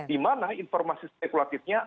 dimana informasi spekulatifnya